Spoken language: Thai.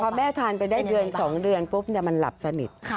พอแม่ทานไปได้เดือน๒เดือนปุ๊บมันหลับสนิท